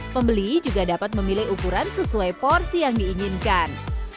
pembeli juga dapat memilih ukuran sesuai porsi yang diinginkan